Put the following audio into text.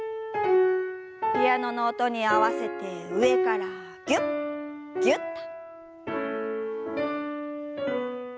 ピアノの音に合わせて上からぎゅっぎゅっと。